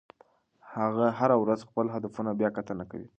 هغه هره ورځ خپل هدفونه بیاکتنه کوي.